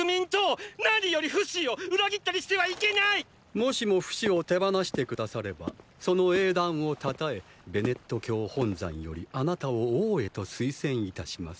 もしもフシを手放して下さればその英断を讃えベネット教本山よりあなたを王へと推薦いたします。